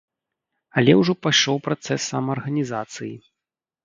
Але ўжо пайшоў працэс самаарганізацыі.